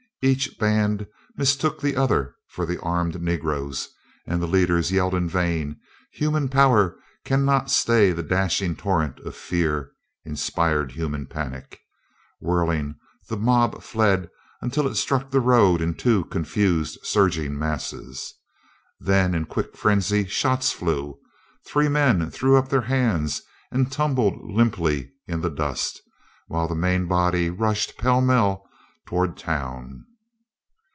Each band mistook the other for the armed Negroes, and the leaders yelled in vain; human power can not stay the dashing torrent of fear inspired human panic. Whirling, the mob fled till it struck the road in two confused, surging masses. Then in quick frenzy, shots flew; three men threw up their hands and tumbled limply in the dust, while the main body rushed pellmell toward town.